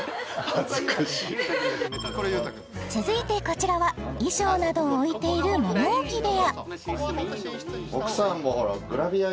恥ずかしい続いてこちらは衣装などを置いている物置部屋